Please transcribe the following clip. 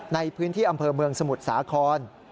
ในพื้นที่อำเภอเมืองสมุทรสาคร